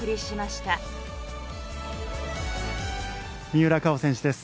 三浦佳生選手です。